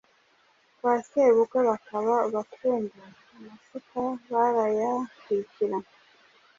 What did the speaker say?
Kwa sebukwe bakaba abakungu, amasuka barayakwikira,